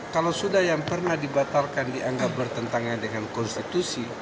kalau sudah yang pernah dibatalkan dianggap bertentangan dengan konstitusi